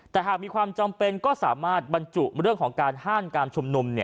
แต่หากมีความจำเป็นก็สามารถบรรจุเรื่องของการห้ามการชุมนุม